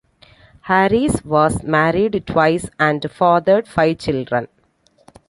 Harris was married twice, and fathered five children.